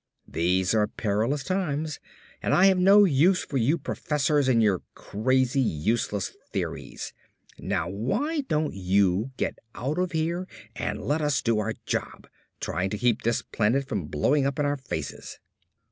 These are perilous times and I have no use for you professors and your crazy, useless theories. Now why don't you get out of here and let us do our job, trying to keep this planet from blowing up in our faces!"